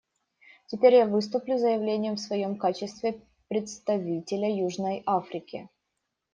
Теперь я выступлю с заявлением в своем качестве представителя Южной Африки.